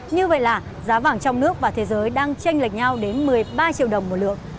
như vậy là giá vàng trong nước và thế giới đang tranh lệch nhau đến một mươi ba triệu đồng một lượng